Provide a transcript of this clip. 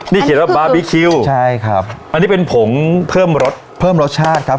นี่เขียนว่าบาร์บีคิวใช่ครับอันนี้เป็นผงเพิ่มรสเพิ่มรสชาติครับ